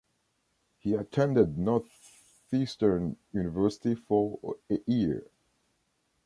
He attended Northeastern University for a year.